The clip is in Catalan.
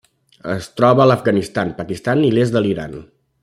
Es troba a l'Afganistan, Pakistan i l'est de l'Iran.